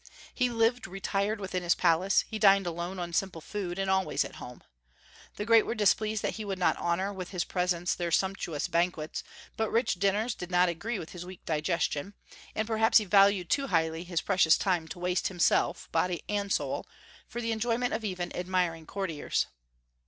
He lived retired within his palace; he dined alone on simple food, and always at home. The great were displeased that he would not honor with his presence their sumptuous banquets; but rich dinners did not agree with his weak digestion, and perhaps he valued too highly his precious time to waste himself, body and soul, for the enjoyment of even admiring courtiers.